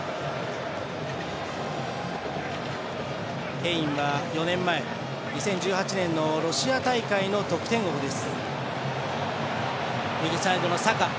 ケインは４年前、２０１８年のロシア大会の得点王です。